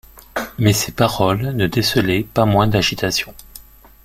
Mais ses paroles ne décelaient pas moins d’agitation.